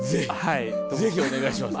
ぜひお願いします。